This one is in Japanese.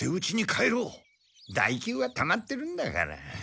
代休はたまってるんだから。